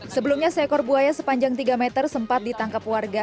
sebelumnya seekor buaya sepanjang tiga meter sempat ditangkap warga